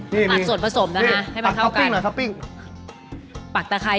ตัดส่วนผสมแล้วนะให้มันเข้ากัน